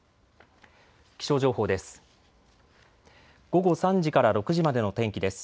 気象情報です。